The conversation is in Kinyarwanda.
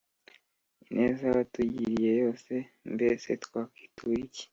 ineza watugiriye yose mbese twakwitura iki